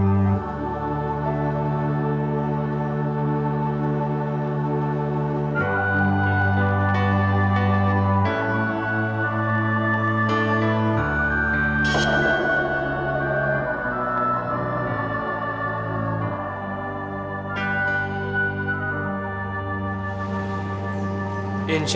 jangan ustaz bukannya